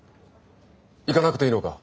行かなくていいのか？